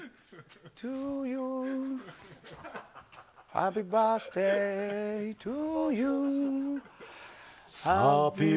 ハッピーバースデートゥーユー！